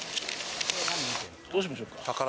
どうしましょうか。